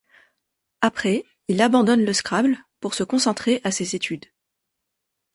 Après, il abandonne le Scrabble pour se concentrer à ses études.